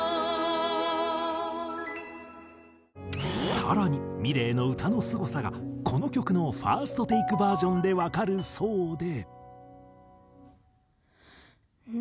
更にｍｉｌｅｔの歌のすごさがこの曲のＦＩＲＳＴＴＡＫＥバージョンでわかるそうで。